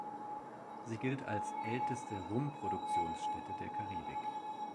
Sie gilt als älteste Rum-Produktionsstätte der Karibik.